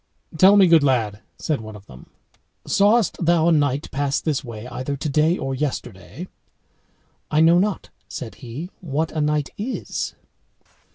"Tell me, good lad," said one of them, "sawest thou a knight pass this way either today or yesterday?" "I know not," said he, "what a knight is."